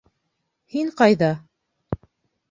— Һин кайҙа?